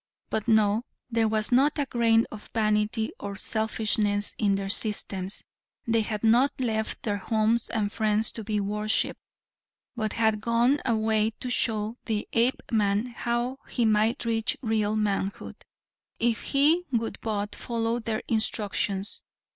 But no, there was not a grain of vanity or selfishness in their systems. They had not left their homes and friends to be worshiped, but had gone away to show the Apeman how he might reach real manhood, if he would but follow their instructions.